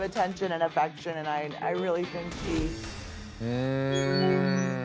うん。